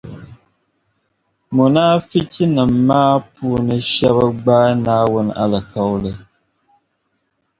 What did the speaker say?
Munaafichinim’ maa puuni shεba gbaai Naawuni alikauli